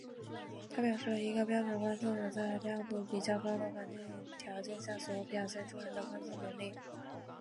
它表示了一个标准观测者在亮度比较高的环境条件下所表现出来的观测能力。